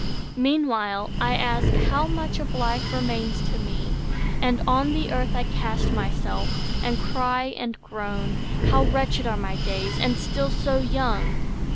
Meanwhile, I ask, how much of life remains To me; and on the earth I cast myself, And cry, and groan. How wretched are my days, And still so young!